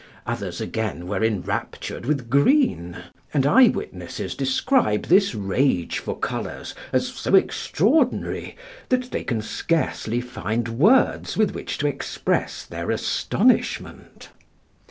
Others, again, were enraptured with green; and eye witnesses describe this rage for colours as so extraordinary, that they can scarcely find words with which to express their astonishment.